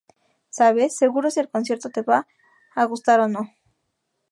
Sabes, seguro, si el concierto te va a gustar o no